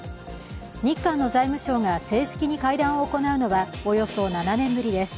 日韓の財務相が正式に会談を行うのはおよそ７年ぶりです。